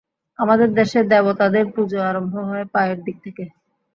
আমাদের দেশে দেবতাদের পূজো আরম্ভ হয় পায়ের দিক থেকে।